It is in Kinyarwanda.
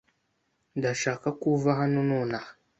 Ndashaka ko uva hano nonaha.